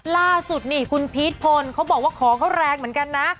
ล่าสุดนี่คุณพีชพลเขาบอกว่าของเขาแรงเหมือนกันนะ